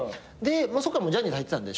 そっからもうジャニーズ入ってたんで。